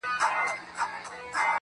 د محبت مينې ترميم دې په وعدو کې وکه